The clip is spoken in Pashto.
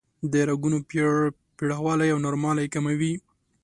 د رګونو پیړوالی او نرموالی کموي.